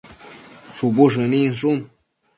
shubu shëninshun